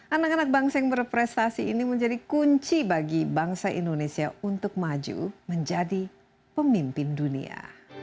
anak anak bangsa yang berprestasi ini menjadi kunci bagi bangsa indonesia untuk maju menjadi pemimpin dunia